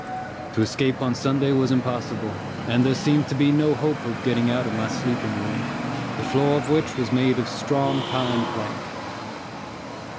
To escape on Sunday was impossible, and there seemed to be no hope of getting out of my sleeping room, the floor of which was made of strong pine plank.